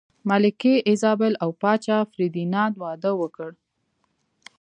ملکې ایزابلا او پاچا فردیناند واده وکړ.